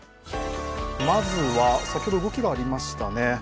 まずは先ほど動きがありましたね。